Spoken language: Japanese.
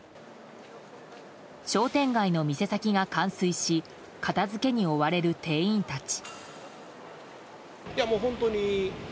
商店街の店先が冠水し片づけに追われる店員たち。